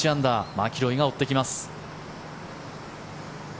マキロイが追ってきます。